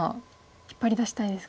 引っ張り出したいですか？